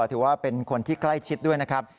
ถือว่าเป็นคนที่ใกล้ชิดด้วยนะครับ